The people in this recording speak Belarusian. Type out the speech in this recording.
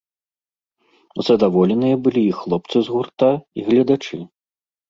Задаволеныя былі і хлопцы з гурта, і гледачы.